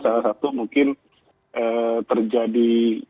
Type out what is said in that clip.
salah satu mungkin terjadi